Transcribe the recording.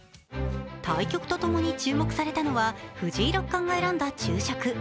対局とともに注目されたのは、藤井六冠が選んだ昼食。